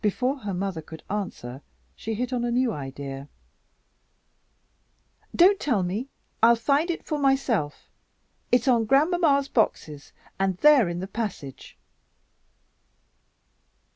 Before her mother could answer, she hit on a new idea. "Don't tell me; I'll find it for myself. It's on grandmamma's boxes, and they're in the passage."